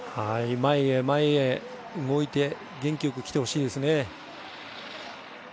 前へ前へ動いて元気よくきてほしいですね。